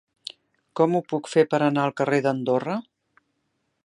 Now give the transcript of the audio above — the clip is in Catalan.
Com ho puc fer per anar al carrer d'Andorra?